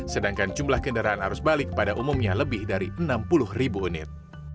sedangkan jumlah kendaraan arus balik pada umumnya lebih dari enam puluh ribu unit